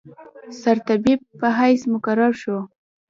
سرطبیب په حیث مقرر شو.